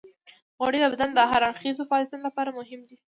غوړې د بدن د هر اړخیزو فعالیتونو لپاره مهمې دي.